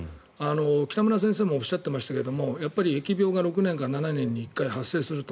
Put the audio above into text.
北村先生もおっしゃっていましたけどやっぱり疫病が６年か７年に１回発生すると。